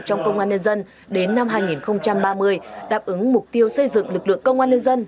trong công an nhân dân đến năm hai nghìn ba mươi đáp ứng mục tiêu xây dựng lực lượng công an nhân dân